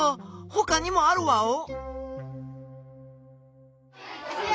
ほかにもあるワオ？